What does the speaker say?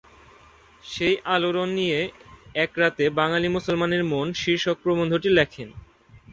সেই আলোড়ন নিয়ে এক রাতে ‘বাঙালি মুসলমানের মন’ শীর্ষক প্রবন্ধটি লেখেন।